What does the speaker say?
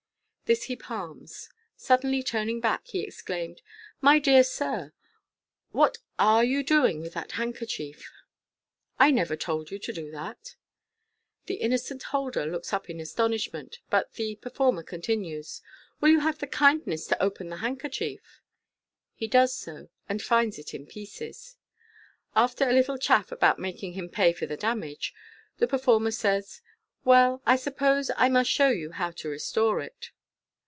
This he palms. Sud denly turning back, he exclaims, " My dear sir, what are you doing with that handkerchief ? I never told you to do that I " The innocent holder looks up in astonishment, but the performer continues, " Will you have the kindness to open the handkerchief ?" He does so, and finds it in pieces. After a little chaff about making him pay for the damage, the performer says, " Well, I suppose I must show you ho\» to restore it."